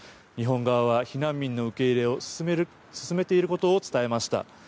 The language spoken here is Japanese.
日本側は避難民の受け入れを進めていることを伝えていました。